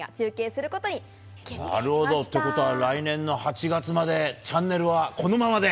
なるほど、ということは、来年の８月まで、チャンネルはこのままで。